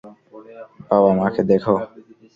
বাবা মাকে দেখ।